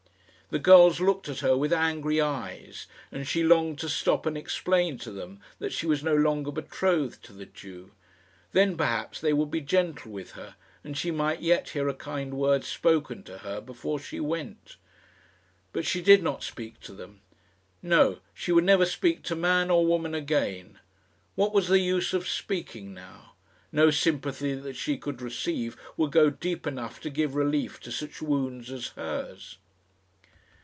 The girls looked at her with angry eyes, and she longed to stop and explain to them that she was no longer betrothed to the Jew. Then, perhaps, they would be gentle with her, and she might yet hear a kind word spoken to her before she went. But she did not speak to them. No; she would never speak to man or woman again. What was the use of speaking now? No sympathy that she could receive would go deep enough to give relief to such wounds as hers.